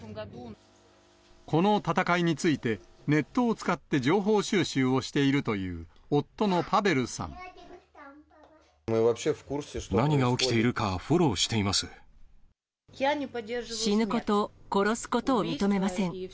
この戦いについて、ネットを使って情報収集をしているという夫のパベルさん。何が起きているか、フォロー死ぬこと、殺すことを認めません。